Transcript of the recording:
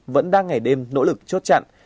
vẫn đang ngày đêm nỗ lực chốt chặn